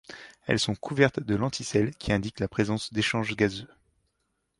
Elles sont couvertes de lenticelles qui indiquent la présence d'échange gazeux.